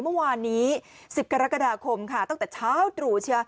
เมื่อวานนี้๑๐กรกฎาคมค่ะตั้งแต่เช้าตรู่เชีย